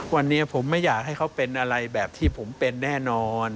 วันนี้ผมไม่อยากให้เขาเป็นอะไรแบบที่ผมเป็นแน่นอน